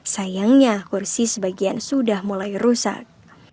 sayangnya kursi sebagian sudah mulai rusak